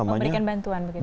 memberikan bantuan begitu